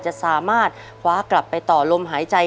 จะสามารถคว้ากลับไปต่อลมหายใจ